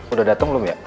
udah dateng belum ya